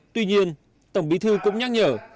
tuy nhiên tổng bí thư cũng nhắc nhở